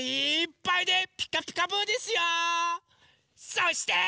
そして。